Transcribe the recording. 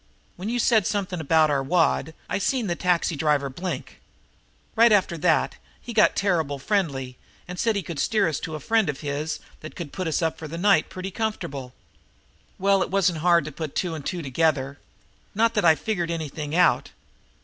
When you said something about our wad I seen the taxi driver blink. Right after that he got terrible friendly and said he could steer us to a friend of his that could put us up for the night pretty comfortable. Well, it wasn't hard to put two and two together. Not that I figured anything out.